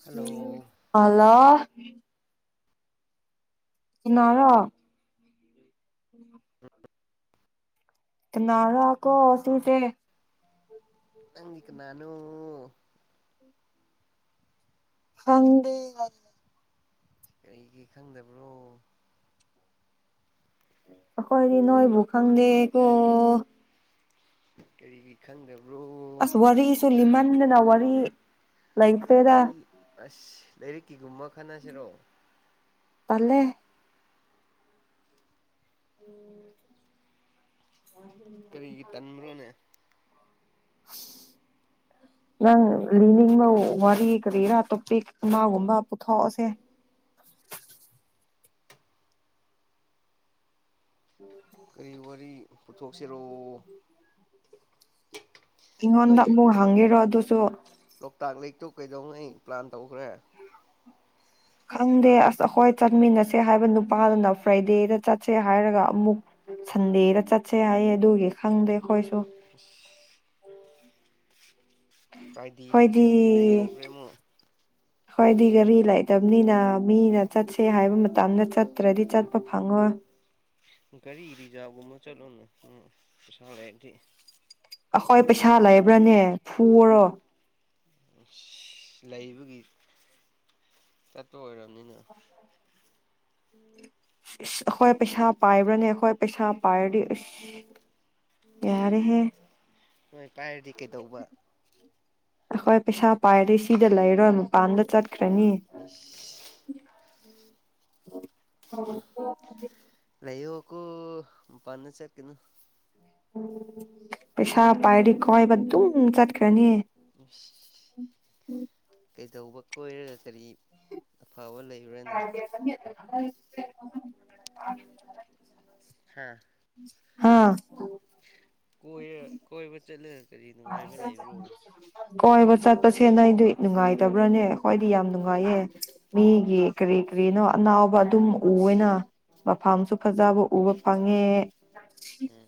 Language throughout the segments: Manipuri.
Hello hello. [inaudible] ꯏꯟꯅꯥꯔꯣ꯫ [inaudible] [inaudible] ꯀꯅꯥꯔꯥꯀꯣ ꯁꯤꯁꯦ꯫ ꯅꯡꯗꯤ ꯀꯅꯥꯅꯣ ꯈꯪꯗꯦ ꯍꯥꯏ꯫ ꯀꯩꯒꯤ ꯈꯪꯗꯕ꯭ꯔꯣ꯫ ꯑꯈꯣꯏꯗꯤ ꯅꯣꯏꯕꯨ ꯈꯪꯗꯦ ꯀꯣ꯫ ꯀꯔꯤꯒꯤ ꯈꯪꯗꯕ꯭ꯔꯣ ꯑꯁ ꯋꯥꯔꯤꯁꯨ ꯂꯤꯃꯟꯗꯅ ꯋꯥꯔꯤ ꯂꯩꯇꯔ꯭ꯦꯗꯥ ꯋꯥꯔꯤ ꯑꯁ ꯂꯥꯏꯔꯤꯛꯀꯤꯒꯨꯝꯕ ꯈꯟꯅꯁꯤꯔꯣ꯫ ꯇꯜꯂꯦ꯫ [inaudible] ꯀꯔꯤꯒꯤ ꯇꯟꯕ꯭ꯔꯣꯅꯦ [inaudible] ꯅꯪ ꯂꯤꯅꯤꯡꯕ ꯋꯥꯔꯤ ꯀꯔꯤꯔꯥ ꯇꯣꯞꯄꯤꯛ ꯑꯃꯒꯨꯝꯕ ꯄꯨꯊꯣꯛꯑꫭꯁꯦ꯫ ꯀꯔꯤ ꯋꯥꯔꯤ ꯄꯨꯊꯣꯛꯁꯤꯔꯣ ꯑꯩ ꯁꯣ ꯂꯣꯛꯇꯥꯛ ꯂꯦꯛꯇꯨ ꯀꯩꯗꯉꯩ ꯄ꯭ꯂꯥꯟ ꯇꯧꯈ꯭ꯔꯦ꯫ ꯈꯪꯗꯦ ꯑꯁ ꯑꯩꯈꯣꯏ ꯆꯠꯃꯤꯟꯅꯁꯦ ꯍꯥꯏꯕ ꯅꯨꯄꯥꯗꯨꯅ ꯐ꯭ꯔꯥꯏꯗꯦꯗ ꯆꯠꯁꯦ ꯍꯥꯏꯔꯒ ꯑꯃꯨꯛ ꯁꯟꯗꯦꯗ ꯆꯠꯁꯦ ꯍꯥꯏꯌꯦ ꯑꯗꯨꯒꯤ ꯈꯪꯗꯦ꯫ ꯈꯣꯏꯁꯨ ꯐ꯭ꯔꯥꯏꯗꯦꯗꯒꯤ ꯍꯣꯏꯗꯤ ꯁꯟꯗꯦꯗ ꯌꯧꯈ꯭ꯔꯦ ꯑꯃꯨꯛ ꯍꯣꯏꯗꯤ ꯒꯔꯤ ꯂꯩ ꯗꯕꯅꯤꯅ ꯃꯤꯅ ꯆꯠꯁꯦ ꯍꯥꯏꯕ ꯃꯇꯝꯗ ꯆꯠꯇ꯭ꯔꯗꯤ ꯆꯠꯄ ꯐꯪꯉꯣꯏ ꯒꯥꯔꯤ ꯔꯤꯖꯥꯕꯒꯨꯝꯕ ꯆꯠꯂꯣꯅꯦ ꯎꯪ ꯄꯩꯁꯥ ꯂꯩꯔꯗꯤ꯫ ꯑꯩꯈꯣꯏ ꯄꯩꯁꯥ ꯂꯩꯕ꯭ꯔꯥꯅꯦ ꯐꯔꯣ ꯂꯩꯕꯒꯤ ꯆꯠꯄ ꯑꯣꯏꯔꯕꯅꯤꯅ ꯑꯩꯈꯣꯏ ꯄꯩꯁꯥ ꯄꯥꯏꯕ꯭ꯔꯅꯦ ꯑꯩꯈꯣꯏ ꯄꯩꯁꯥ ꯄꯥꯏꯔꯗꯤ ꯑ ꯌꯥꯔꯦꯍꯦ ꯍꯣꯏ ꯄꯥꯏꯔꯗꯤ ꯀꯩꯗꯧꯕ ꯑꯩꯈꯣꯏ ꯄꯩꯁꯥ ꯄꯥꯏꯔꯗꯤ ꯁꯤꯗ ꯂꯩꯔꯣꯏ ꯃꯄꯥꯟꯗ ꯆꯠ ꯃꯤ ꯎꯝ ꯍ ꯍꯗꯤ ꯃꯄꯥꯅꯗ ꯆꯀꯤꯅꯨ ꯄꯩꯁꯥ ꯄꯥꯏꯗꯤ ꯀꯣꯏꯕ ꯑꯗꯨꯝ ꯆꯠꯈꯔꯔꯥꯅꯤ ꯎꯝ ꯎꯝ ꯀꯩꯗꯧꯕ ꯀꯣꯏꯔꯒ ꯀꯔꯤ ꯐꯕ ꯂꯩꯕ꯭ꯔꯅꯤ ꯍ ꯍꯥꯥ ꯍꯥꯥ ꯀꯣꯏ ꯀꯣꯏ ꯆꯠꯂ‌ꯦ [unintelligible] ꯀꯣꯏꯕ ꯆꯠꯄꯁꯦꯅ ꯑꯩꯗꯤ ꯅꯨꯡꯉꯥꯏꯇꯕ꯭ꯔꯅꯦ ꯍꯣꯏꯗꯤ ꯌꯥꯝ ꯅꯨꯡꯉꯥꯏꯌꯦ ꯃꯤꯒꯤ ꯀꯔꯤ ꯀꯔꯤꯅꯣ ꯑꯅꯥꯕ ꯑꯗꯨꯝ ꯎꯋꯦꯅ ꯃꯐꯝꯁꯨ ꯐꯖꯕ ꯎꯕ ꯐꯪꯉꯦ [unintelligible]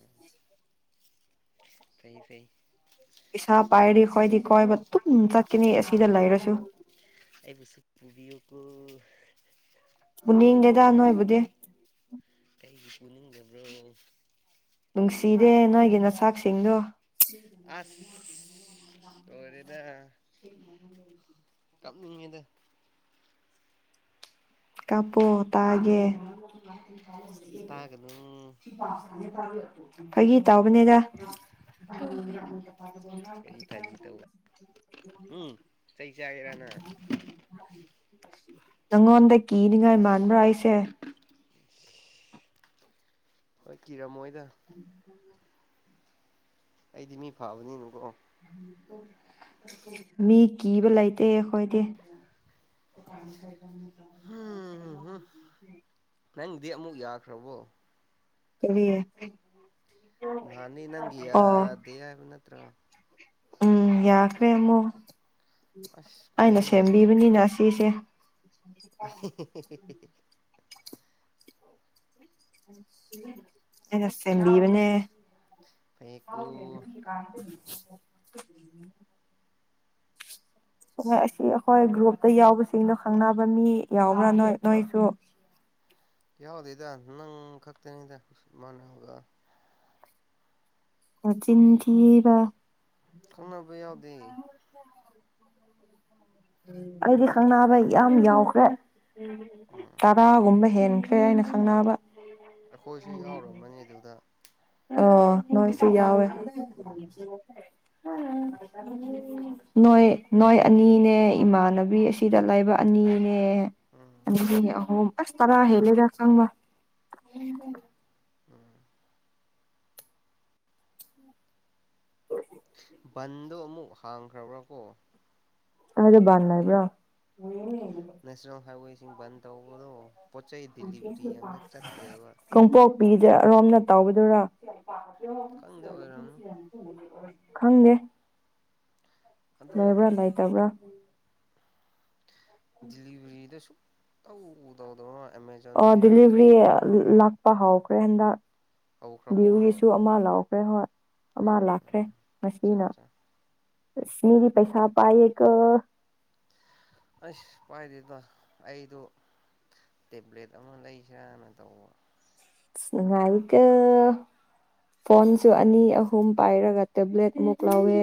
ꯐꯧ ꯐꯩ ꯏꯁꯥ ꯄꯥꯏꯔꯤ ꯈꯣꯏꯗꯤ ꯀꯣꯏꯕ ꯑꯗꯨꯨꯝ ꯆꯠꯀꯅꯤ ꯑꯁꯤꯗ ꯂꯩꯔꯁꯨ ꯑꯩ ꯄꯨꯁ ꯄꯕꯤꯌꯣ ꯀ‌ꯣ ꯄꯨꯅꯤꯗꯦꯗ ꯅꯣꯏꯕꯨꯗꯤ ꯀꯩꯒꯤ ꯄꯨꯅꯤꯡꯗꯕ꯭ꯔꯣ ꯅꯨꯡꯁꯤꯔꯦ ꯅꯣꯏꯒꯤ ꯅꯆꯥꯛꯁꯤꯡꯗꯣ ꯝ ꯑꯣꯔꯦꯗ ꯀꯝꯗ ꯀꯄꯣ ꯇꯒꯦ ꯇꯥꯒꯅꯨ ꯁꯤ ꯄ ꯐꯥꯒꯤ ꯇꯥꯎꯕꯅꯦꯗ ꯀꯔꯤ ꯐꯥꯒꯤ ꯇꯧꯕ ꯎꯝ ꯆꯩ ꯆꯥꯒꯦꯔꯥ ꯅꯪ [unintelligible] ꯅꯪꯉꯣꯟꯗ ꯀꯤꯅꯤꯉꯥꯏ ꯃꯥꯟꯕ꯭ꯔꯥ ꯑꯩꯁꯦ ꯍ‌ꯣꯏ ꯀꯔꯃꯣꯏ ꯎꯝ ꯑꯩꯗꯤ ꯃꯤ ꯐꯥꯕꯅꯤꯅꯀꯣ ꯃꯤ ꯀꯤꯕ ꯂꯩꯇꯦ ꯑꯩꯈꯣꯏꯗꯤ [inaudible] ꯅꯪꯗꯤ ꯑꯃꯨꯛ ꯌꯥꯈ꯭ꯔꯕꯣ ꯀꯃꯤ ꯑꯦ ꯅꯅꯤ ꯅꯪꯒꯤꯌꯥꯗꯦ ꯍꯥꯏꯕ ꯅꯠꯇ꯭ꯔ ꯎꯝ ꯌꯥꯈꯦꯃꯣ ꯑꯁ ꯑꯩꯅ ꯐꯩꯅꯦ ꯁꯦꯝꯕꯤꯕꯅꯤꯅ ꯁꯤꯁꯦ [inaudible] [inaudible] ꯑꯩꯅ ꯁꯦꯝꯕꯤꯕꯅꯦ ꯐꯩꯀꯣ [unintelligible] [inaudible] ꯍꯣꯏ ꯑꯁꯤ ꯑꯩꯈꯣꯏ ꯒ꯭ꯔꯨꯞꯇ ꯌꯥꯎꯕꯁꯤꯡꯗꯣ ꯈꯪꯅꯕ ꯃꯤ ꯌꯥꯎꯕ꯭ꯔꯥ ꯅꯣꯏ ꯅꯣꯏꯁꯨ ꯌꯥꯎꯗꯦꯗ ꯅꯪ ꯈꯛꯇꯅꯤꯗ ꯃꯥꯅ ꯍꯪꯕ ꯆꯤꯟꯊꯕ ꯈꯪꯅꯕ ꯌꯥꯎꯗꯦ ꯑꯩꯗꯤ ꯈꯪꯕ ꯌꯥꯝ ꯌꯥꯎꯈ꯭ꯔꯦ ꯎꯝ ꯇꯔꯥ ꯒꯨꯝꯃꯦ ꯍꯦꯟꯈ꯭ꯔꯦ ꯑꯩꯅ ꯈꯪꯅꯕ ꯑꯈꯣꯏꯁꯨ ꯌꯥꯎꯔꯝꯃꯅꯤ ꯗꯨꯗ ꯑꯣ ꯅꯣꯏꯁꯨ ꯌꯥꯎꯋꯦ ꯎꯝ ꯅꯣꯏ ꯅꯣꯏ ꯑꯅꯤꯅꯦ ꯏꯃꯥꯟꯅꯕꯤ ꯑꯁꯤꯗ ꯂꯥꯏꯕ ꯑꯅꯤ ꯎꯝ ꯑꯗꯒꯤ ꯑꯍꯨꯝ ꯑꯁ ꯇꯔꯥ ꯍꯦꯂꯗ ꯆꯪꯕ ꯎꯝ [inaudible] ꯕꯟꯗꯣ ꯑꯃꯨꯛ ꯍꯥꯡꯈ꯭ꯔꯕ꯭ꯔꯥꯀꯣ [unintelligible] ꯟ ꯇꯧꯕꯗꯣ ꯄꯣꯠ ꯆꯩ ꯦꯂꯤꯚꯔꯤ ꯌꯥꯝꯅ ꯆꯠꯇ꯭ꯔꯦꯕ ꯄꯕꯤꯗ ꯑꯔꯣꯝꯅ ꯇꯧꯕꯕꯗꯨꯔꯥ ꯈꯪꯗꯦ ꯑꯣꯏꯔꯝꯅꯤ ꯈꯪꯗꯦ ꯑꯗꯣ ꯂꯩꯥꯕ꯭ꯔꯥ ꯂꯩꯇꯕ꯭ꯔꯥ [inaudible] ꯂꯤꯕꯔꯤꯗ ꯍꯧꯗꯧꯗ ꯑꯣ ꯗꯂꯤꯚꯔꯤ ꯂꯥꯛ ꯄ ꯍꯥꯎꯈ꯭ꯔꯦ ꯍꯟꯗ ꯍꯧꯈ꯭ꯔꯕꯣ ꯑꯃꯨꯛ ꯚ꯭ꯌꯨꯒꯤꯁꯨ ꯑꯃ ꯂꯥꯎꯑꯣ ꯑꯦꯍꯣ ꯑꯃ ꯂꯥꯛꯈ꯭ꯔꯦ ꯉꯁꯤꯅ ꯑꯠꯆꯥ ꯃꯤꯅꯤꯒꯤ ꯄꯩꯁꯥꯄꯥ ꯑꯁ ꯄꯥꯏꯗꯦꯗꯣ ꯑꯩꯗꯣ ꯇꯦꯕ꯭ꯂꯦꯠ ꯑꯃ ꯂꯩꯁꯤꯔꯅ ꯇꯧꯕ ꯑ ꯅꯨꯡꯉꯥꯏꯀꯦ ꯐꯣꯟꯁꯨ ꯑꯅꯤ ꯑꯍꯨꯝ ꯄꯥꯏꯔꯒ ꯇꯦꯕ꯭ꯂꯦꯠꯃꯨꯛ ꯂꯧꯥꯎꯋꯦ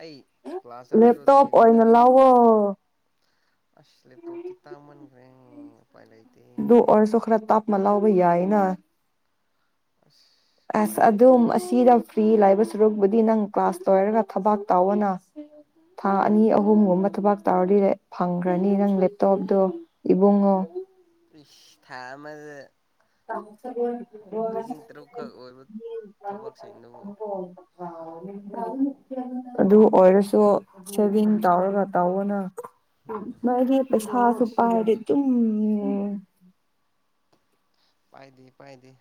ꯑꯩ ꯀ꯭ꯂꯥꯁ ꯎ ꯆꯠꯄꯗꯣ ꯂꯦꯞꯇꯣꯄ ꯑꯗꯨꯒꯤꯅꯤꯗ ꯑꯣꯏꯅ ꯂꯑꯣꯣ ꯑꯁꯂꯦ ꯇꯣ ꯇꯤ ꯇꯥꯃꯟꯒ꯭ꯔꯦ ꯄꯥꯏꯂ ꯏꯇꯦ ꯃꯂ ꯎꯕ ꯌꯥꯏꯅ ꯑꯁ ꯎꯄꯥꯏ ꯑꯁ ꯑꯗꯨꯝ ꯂꯩꯔꯔꯣꯏ ꯑꯁꯤꯗ ꯐ꯭ꯔꯤ ꯂꯥꯏꯕ ꯁꯔꯨꯛꯄꯨꯗꯤ ꯅꯪ ꯀ꯭ꯂꯥꯁ ꯂꯣꯏꯔꯒ ꯊꯕꯥꯛ ꯇꯥꯎꯋꯅ ꯊꯥ ꯑꯅꯤ ꯊꯕꯛ ꯑꯍꯨꯝꯒꯨꯝꯕ ꯊꯕꯛ ꯇꯧꯔꯗꯤ ꯐꯪꯈ꯭ꯔꯅꯤ ꯅꯪ ꯂꯦꯞꯇꯣꯞꯇꯣ ꯏꯕꯨꯡꯉꯣ ꯏꯁ ꯊꯥ ꯑꯃ ꯑ ꯂꯤꯁꯤꯡ ꯇꯔꯨꯛꯈꯛ ꯑꯣꯏꯕ ꯊꯕꯛꯁꯤꯡꯗꯨꯕꯨ ꯑꯗꯨ ꯑꯣꯏꯔꯁꯨ ꯁꯦꯚꯤꯡ ꯇꯧꯔꯒ ꯇꯧꯕꯅ ꯃꯥꯒꯤ ꯄꯩꯁꯥꯁꯨ ꯑꯁ ꯄꯥꯏꯔꯗꯤꯦ ꯑꯗꯨꯝ ꯄꯥꯏꯗꯤ ꯄꯥꯏꯗꯤ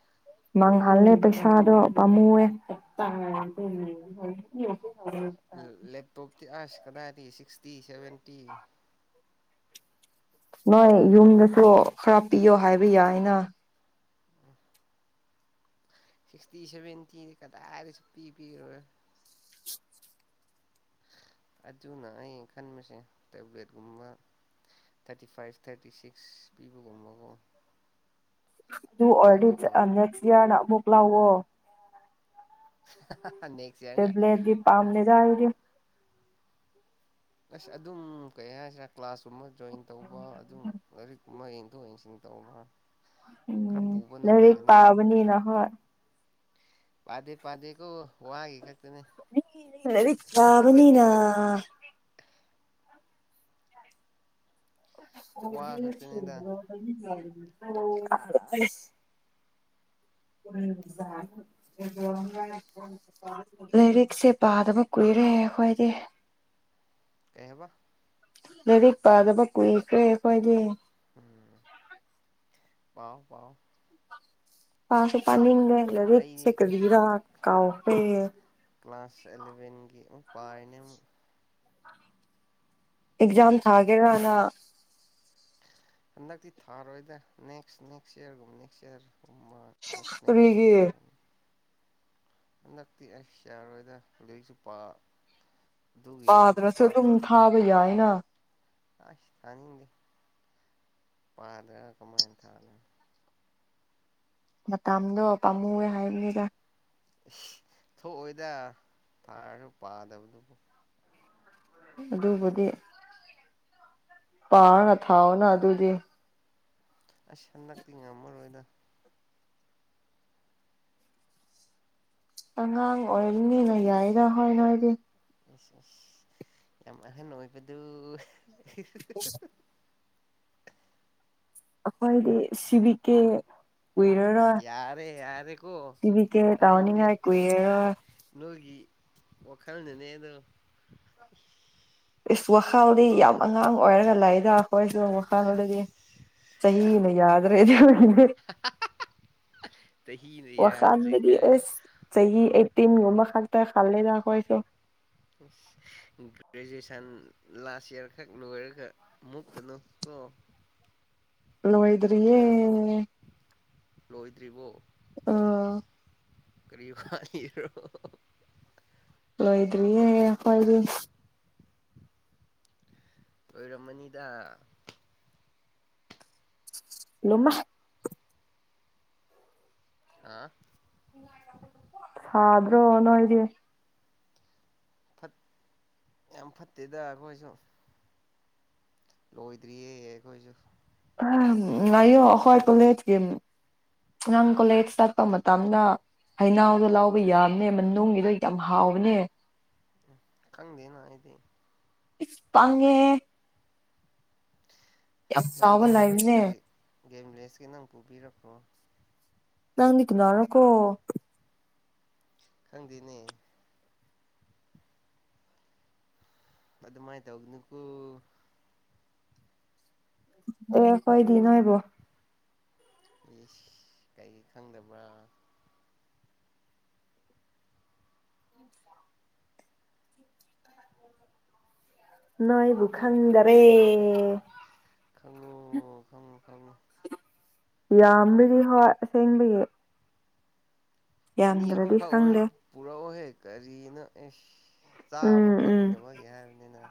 ꯃꯥꯡꯍꯜꯂꯦ ꯄꯩꯁꯥꯗꯣ ꯄꯥꯝꯃꯨꯑꯦ ꯂꯦꯞꯇꯣꯞ ꯊ ꯑꯁ ꯀꯗꯥꯗꯤ ꯁꯤꯛꯁꯇꯤ ꯁꯕꯦꯟꯇꯤ ꯅꯣꯏ ꯌꯨꯝꯗꯁꯨ ꯈꯔ ꯄꯤꯌꯣ ꯍꯥꯏꯕ ꯌꯥꯏꯅ ꯁꯤꯛꯁꯇꯤ ꯁꯦꯚꯦꯟꯇꯤꯗꯤ ꯀꯗꯥꯏꯗ ꯁ ꯄꯤ ꯄꯤꯔꯣꯏ ꯑꯗꯨꯅ ꯑ ꯈꯟꯕꯁꯦ ꯇꯦꯕ꯭ꯂꯦꯠꯀꯨꯝꯕ ꯊꯥꯔꯇꯤ ꯐꯥꯏꯚ ꯊꯥꯔꯇꯤ ꯁꯤꯛꯁ ꯄꯤꯕꯒꯨꯝꯕꯀꯣ ꯑꯗꯨ ꯑꯗꯨꯗꯣ ꯑꯣꯗꯤꯠ ꯑꯣꯏꯅ ꯅꯦꯛꯁꯔ ꯃꯣꯛꯂ ꯑꯣ [unintelligible] ꯏꯌꯥꯔ ꯉꯥꯏ ꯇꯕ꯭ꯂꯦꯠꯗꯤ ꯄꯥꯝ ꯂꯩꯗꯗ ꯑꯁ ꯑꯗꯨꯝ ꯀꯌꯥ ꯍꯥꯏ ꯀ꯭ꯂꯥꯁ ꯆꯨꯝꯃ ꯖꯣꯏꯟ ꯇꯧꯕ ꯑꯗꯨꯝ ꯂꯥꯏꯔꯤꯛ ꯃ ꯌꯦ ꯇ ꯆꯤꯡꯟ ꯇ ꯃꯥ ꯎꯝ ꯂꯥꯏꯔꯤꯛ ꯄꯥꯕꯅꯤꯅ ꯍꯣꯏ ꯄꯥꯗꯦ ꯄꯥꯗꯦ ꯀꯣ ꯋꯥꯒ ꯂꯥꯏꯔꯤꯛ ꯄꯥꯕꯅꯤꯅ ꯋꯥ ꯑꯣꯗꯤ ꯌꯥ [inaudible] ꯈꯛꯇꯅꯤꯗ [unintelligible] ꯑꯥ [unintelligible] ꯂꯥꯏꯔꯤꯛꯁꯦ ꯄꯥꯗꯕ ꯀꯨꯏꯔꯦ ꯑꯩꯈꯣꯏꯗꯤ ꯀꯩ ꯍꯥꯏꯕ ꯂꯥꯏꯔꯤꯛ ꯄꯥꯗꯕ ꯀꯨꯏꯈ꯭ꯔꯦ ꯑꯩꯣꯏꯗꯤ ꯎꯝ ꯄꯥꯎ ꯄꯥꯎ ꯄꯥꯁꯨꯦ ꯄꯅꯤꯡꯗꯦ ꯂꯔꯤꯛꯁꯦ ꯑꯩꯗꯤ ꯀꯔꯤꯒꯤꯔꯥ ꯀꯥꯎꯈꯔꯦ ꯀ꯭ꯂꯥꯁ ꯑꯦꯂꯚꯦꯟꯒꯤ ꯑꯃꯨꯛ ꯄꯥꯏꯅꯦ ꯑꯃꯨꯛ ꯑꯦꯛꯖꯥꯝ ꯊꯥꯒꯦꯔꯅ ꯍꯟꯗꯛꯇꯤ ꯊꯥꯔꯣꯏꯗ ꯅꯦꯛꯁ ꯅꯦꯛꯁ ꯏꯌꯥꯔꯒꯨꯝꯕ ꯅꯦꯛꯁ ꯏꯌꯥꯔ ꯊꯝꯕ ꯅꯦꯛꯁ ꯀꯔꯤꯒꯤ ꯅꯦꯛꯁ ꯍꯟꯗꯛꯇꯤ ꯑꯁ ꯌꯥꯔꯣꯏꯗ ꯂꯥꯏꯔꯤꯛꯁꯨ ꯄꯥ ꯑꯗꯨꯒꯤ ꯂꯥꯏꯔꯤꯛ ꯄꯥꯗꯅꯁꯨ ꯈꯨꯄꯥ ꯑꯗꯨꯝ ꯈꯛꯅꯦ ꯊꯥꯕ ꯌꯥꯏꯅ ꯑꯁ ꯇꯅꯤꯡꯗꯦ ꯄꯥꯗ ꯀꯃꯥꯏꯅ ꯊꯥꯅꯤ ꯃꯇꯥꯗꯣ ꯄꯥꯝꯃꯨꯑꯦ ꯍꯥꯏꯕꯅꯤꯗ ꯊꯣꯛꯑꯣꯏꯗ ꯊꯥꯔꯁꯨ ꯄꯥꯗꯕꯗꯨꯕꯨ ꯑꯗꯨꯕꯗꯤ ꯄꯔꯒ ꯊꯥꯎ ꯅ ꯑꯗꯨꯗꯤ ꯑꯁ ꯍꯟꯗꯛꯇꯤ ꯉꯝꯃꯔꯣꯏꯗ ꯑꯉꯥꯡ ꯑꯣꯏꯔꯅꯤꯅ ꯌꯥꯏꯗ ꯍꯣꯏ ꯅꯣꯏꯗꯤ ꯑ ꯑ ꯌꯥꯝ ꯑꯍꯦꯟ ꯅꯣꯏꯕꯗꯨ ꯍꯥ ꯍꯥ ꯍꯥ ꯑꯈꯣꯏꯗꯤ ꯁꯤꯕꯀꯦ ꯑꯁ ꯀꯨꯏꯔꯔꯣꯏ ꯌꯥꯔꯦ ꯌꯥꯔꯦꯀꯣ ꯇꯤꯚꯤ ꯀꯦ ꯇꯥꯅꯤꯡꯗꯦ ꯇꯥꯎꯅꯤꯡꯉꯥꯏ ꯀꯨꯏꯔꯦꯔꯣꯏ ꯋꯥꯈꯜꯅꯦꯅꯦꯗꯣ ꯏꯁ ꯋꯥꯈꯜꯗꯤ ꯌꯥꯝ ꯑꯉꯥꯡ ꯑꯣꯏꯔꯒ ꯂꯩ ꯏꯁ ꯋꯥꯈꯗꯗꯤ ꯏꯁ ꯆꯍꯤꯅ ꯌꯥꯗ꯭ꯔꯦꯗꯤ ꯆꯍꯤꯅ ꯌꯥꯗ꯭ꯔꯦ ꯋꯥꯈꯜꯗꯗꯤꯁ ꯀꯥꯏꯅ ꯆꯍꯤ ꯑꯩꯠꯇꯤꯟꯒꯨꯝꯕ ꯈꯛꯇ ꯇꯜꯂꯦꯗ ꯑꯈꯣꯏꯗꯣ ꯒ꯭ꯔꯦꯖꯨꯑꯦꯁꯟ ꯂꯥꯁ ꯏꯌꯥꯔ ꯈꯛ ꯂꯣꯏꯔꯒ ꯃꯨꯛꯀꯅꯨ ꯀꯣ ꯂꯣꯏꯗꯔꯤꯌꯦ ꯂꯣꯏꯗ꯭ꯔꯤꯕꯣ ꯑꯥ ꯀꯔꯤꯕꯥ ꯂꯜꯣꯏꯗ꯭ꯔꯤꯌꯦ ꯑꯈꯣꯏꯗꯤ ꯂꯣꯏꯔꯝꯃꯅꯤꯗ ꯂꯨꯃꯦ ꯑꯥꯝ ꯁꯥꯗ꯭ꯔꯣ ꯅꯣꯏꯗꯤ ꯌꯥꯝ ꯐꯠꯇꯦꯗ ꯑꯩꯈꯣꯏꯁꯨ ꯂꯣꯏꯗ꯭ꯔꯤꯌꯦ ꯑꯈꯣꯏꯁꯨ ꯎꯝ ꯉꯥꯏꯌꯣ ꯑꯩꯈꯣꯏ ꯀꯣꯂꯦꯖꯀꯤ ꯅꯪ ꯀꯣꯂꯦꯖ ꯆꯠꯄ ꯃꯇꯝꯗ ꯍꯅꯥꯎꯗꯣ ꯂꯥꯎꯕ ꯌꯥꯝꯅꯦ ꯃꯅꯨꯡꯒꯤꯗꯣ ꯌꯥꯝ ꯍꯥꯎꯕꯅꯦ꯫ ꯈꯪꯗꯦꯅ ꯑꯩꯗꯤ ꯄꯪꯉꯦ ꯌꯥꯝ ꯆꯥꯎꯕ ꯂꯪꯕꯅꯦ ꯒꯦꯝꯕꯤꯂꯦꯁꯀꯤ ꯅꯪ ꯄꯨꯕꯤꯔꯛꯄ꯭ꯔꯣ ꯅꯪꯗꯤ ꯀꯤꯅꯔꯥꯀꯣ ꯈꯪꯗꯦꯅꯦ ꯑꯗꯨ ꯃꯥꯥꯏ ꯇꯧꯒꯅꯨꯀꯣ ꯑꯦ ꯈꯣꯏꯗꯤ ꯅꯣꯏꯕꯣ꯫ ꯏꯁ ꯀꯩ ꯈꯪꯗꯕ꯭ꯔꯥ ꯅꯣꯏꯕꯨ ꯈꯪꯗꯔꯦ꯫ ꯈꯪꯉꯨ ꯈꯪꯉꯨ ꯍꯪꯉꯣ ꯌꯥꯝꯕꯗꯤ ꯍꯣꯏ ꯁꯦꯡꯕꯒꯤ꯫ ꯑꯅꯤ ꯍꯨꯝ ꯈꯥꯎ ꯑꯣꯏꯔꯁꯨ ꯈꯪꯗꯦ ꯄꯨꯔꯛ ꯑꯣ ꯍꯦ ꯀꯔꯤꯅ ꯑꯦ ꯆꯥꯕ ꯎꯝ ꯎꯝ ꯐꯪꯗꯕꯒꯤ ꯍꯥꯏꯕꯅꯤꯅ